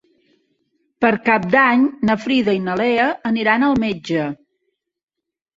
Per Cap d'Any na Frida i na Lea aniran al metge.